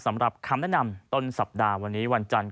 สำหรับคำแนะนำต้นสัปดาห์วันนี้วันจันทร์